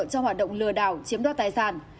cho hoạt động lừa đảo chiếm đoát tài sản